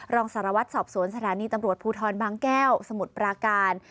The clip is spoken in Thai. รองสารวัตรสอบสวนสถานีตำรวจภูทรบางแก้วสมุทรปราการ